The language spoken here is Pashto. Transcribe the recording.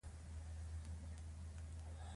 کرنه له خطر سره مخ ده.